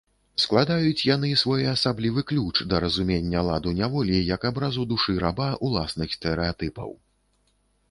Складаюць яны своеасаблівы ключ да разумення ладу няволі як абразу душы раба уласных стэрэатыпаў.